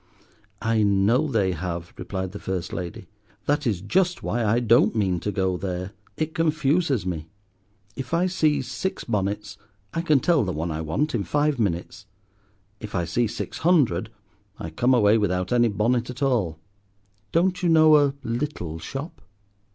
"I know they have," replied the first lady, "that is just why I don't mean to go there. It confuses me. If I see six bonnets I can tell the one I want in five minutes. If I see six hundred I come away without any bonnet at all. Don't you know a little shop?"